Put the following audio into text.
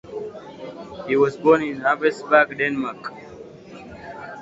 He was born in Havrebjerg, Denmark.